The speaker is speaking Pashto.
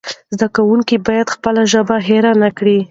زده کوونکي باید خپله ژبه هېره نه کړي.